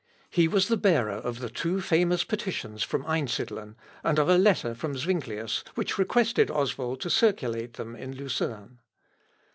He was the bearer of the two famous petitions from Einsidlen, and of a letter from Zuinglius, which requested Oswald to circulate them in Lucerne.